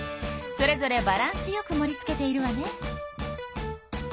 それぞれバランスよくもりつけているわね。